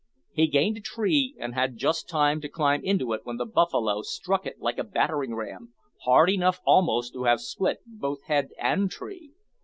He gained a tree, and had just time to climb into it when the buffalo struck it like a battering ram, hard enough almost to have split both head and tree.